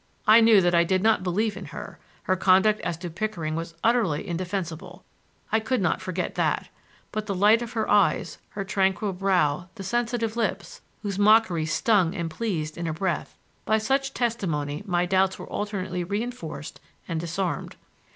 I knew that I did not believe in her; her conduct as to Pickering was utterly indefensible,—I could not forget that; but the light of her eyes, her tranquil brow, the sensitive lips, whose mockery stung and pleased in a breath,—by such testimony my doubts were alternately reinforced and disarmed.